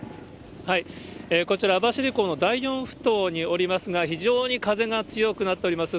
こちら網走港の第４ふ頭におりますが、非常に風が強くなっております。